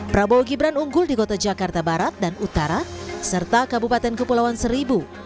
prabowo gibran unggul di kota jakarta barat dan utara serta kabupaten kepulauan seribu